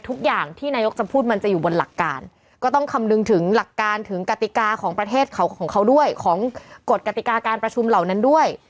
ทุกอย่างที่นายกจะพูดมันจะอยู่บนหลักการก็ต้องคำนึงถึงหลักการถึงกติกาของประเทศเขาของเขาด้วยของกฎกติกาการประชุมเหล่านั้นด้วย